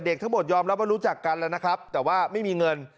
ทั้งหมดยอมรับว่ารู้จักกันแล้วนะครับแต่ว่าไม่มีเงิน